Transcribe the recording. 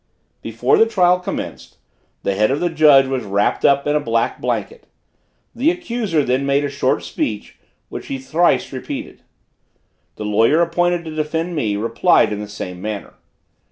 Before the trial commenced, the head of the judge was wrapped up in a black blanket. The accuser then made a short speech, which he thrice repeated. The lawyer appointed to defend me, replied in the same manner.